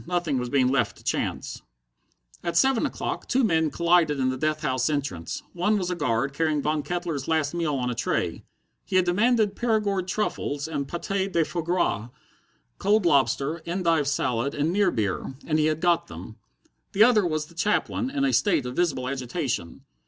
Nothing was being left to chance. At seven o'clock two men collided in the death house entrance. One was a guard, carrying Von Kettler's last meal on a tray. He had demanded Perigord truffles and paté de foie gras, cold lobster, endive salad, and near beer, and he had got them. The other was the chaplain, in a state of visible agitation.